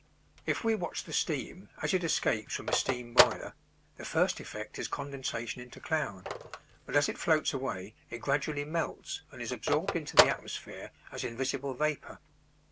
If we watch the steam as it escapes from a steam boiler, the first effect is condensation into cloud, but as it floats away it gradually melts and is absorbed into the atmosphere as invisible vapor.